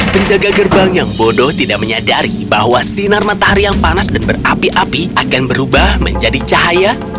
penjaga gerbang yang bodoh tidak menyadari bahwa sinar matahari yang panas dan berapi api akan berubah menjadi cahaya